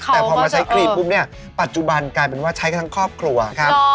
แต่พอมาใช้ครีมปุ๊บเนี่ยปัจจุบันกลายเป็นว่าใช้กันทั้งครอบครัวครับ